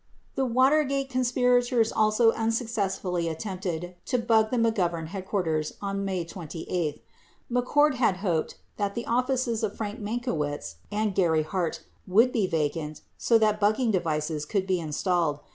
22 The Watergate conspirators also unsuccessfully attempted to bug the McGovern headquarters on May 28. McCord had hoped that the offices of Frank Mankiewicz and Gary Hart would be vacant so that bugging devices could be installed.